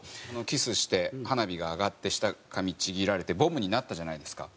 キスして花火が上がって舌噛みちぎられてボムになったじゃないですか。